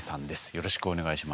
よろしくお願いします。